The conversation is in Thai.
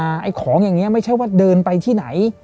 ไอ้ของอย่างนี้ไม่ใช่ว่าเดินไปที่ไหน